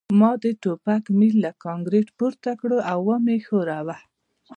ما د ټوپک میل له کانکریټ پورته کړ او ومې ښوراوه